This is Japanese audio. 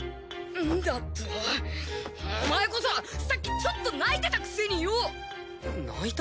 んだとお前こそさっきちょっと泣いてたくせによ！泣いた？